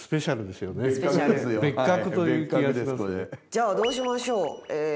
じゃあどうしましょう。